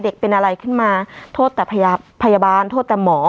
เป็นอะไรขึ้นมาโทษแต่พยาบาลโทษแต่หมอ